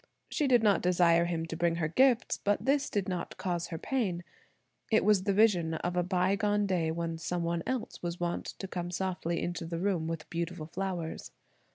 She did not desire him to bring her gifts; but this did not cause her pain. It was the vision of a by gone day, when some one else was wont to come softly into the room with beautiful flowers.